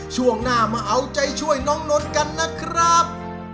ช่วงหน้ามาเอาใจช่วยน้องนนท์กันนะครับ